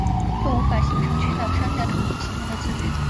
就无法形成全党上下统一行动的自觉